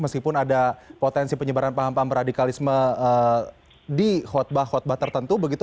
meskipun ada potensi penyebaran paham paham radikalisme di khutbah khutbah tertentu begitu